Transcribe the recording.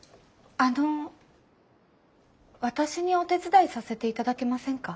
あの私にお手伝いさせて頂けませんか？